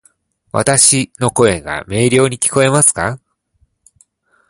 わたし（の声）が明瞭に聞こえますか？